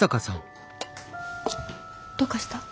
どうかした？